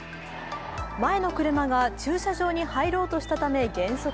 前の車が駐車場に入ろうとしたため減速。